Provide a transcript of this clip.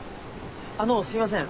あのうすいません。